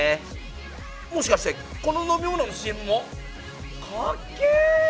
もしかしてこの飲み物のＣＭも！？かっけえ！